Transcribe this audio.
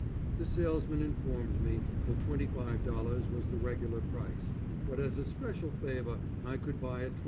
The salesman informed me that $25 was the regular price but as a special favor I could buy at $20.